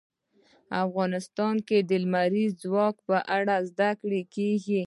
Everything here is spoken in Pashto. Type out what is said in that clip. افغانستان کې د لمریز ځواک په اړه زده کړه کېږي.